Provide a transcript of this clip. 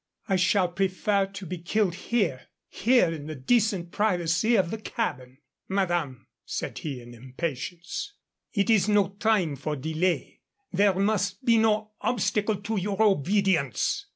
I shall prefer to be killed here here in the decent privacy of the cabin." "Madame," said he, in impatience, "it is no time for delay. There must be no obstacle to your obedience."